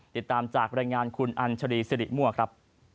ติดตามจากรายงานคุณอัญชรีสิริมั่วครับ